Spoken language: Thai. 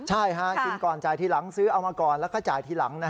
ใช่กินก่อนจ่ายทีหลังซื้อเอามาก่อนแล้วก็จ่ายทีหลัง